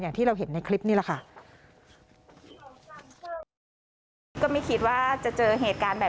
อย่างที่เราเห็นในคลิปนี่แหละค่ะ